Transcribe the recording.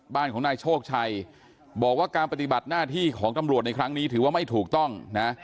บ้านของนายโชคชัยบอกว่าการปฏิบัติหน้าที่ของตำรวจในครั้งนี้ถือว่าไม่ถูกต้องนะ